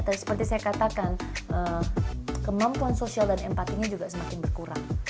tadi seperti saya katakan kemampuan sosial dan empatinya juga semakin berkurang